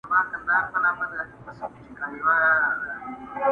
په ګوزار یې د مرغه زړګی خبر کړ!!